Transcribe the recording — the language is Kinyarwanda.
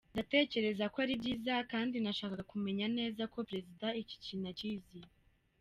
Ndatekereza ko ari byiza kandi nashakaga kumenya neza ko Perezida iki kintu akizi.